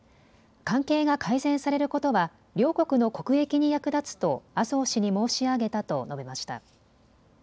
関係が改善されることは両国の国益に役立つと麻生氏に申し上げたと述べました。